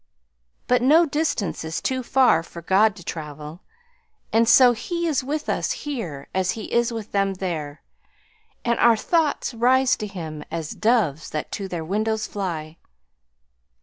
but no distance is too far for God to travel and so He is with us here as He is with them there, ... and our thoughts rise to Him 'as doves that to their windows fly.'